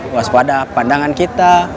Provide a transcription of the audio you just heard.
waspada pandangan kita